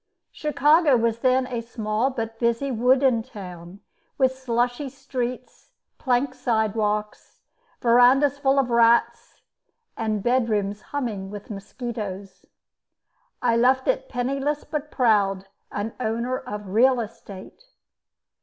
Chicago was then a small but busy wooden town, with slushy streets, plank sidewalks, verandahs full of rats, and bedrooms humming with mosquitoes. I left it penniless but proud, an owner of real estate.